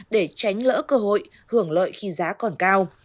để tránh lỡ cơ hội hưởng lợi khi giá còn cao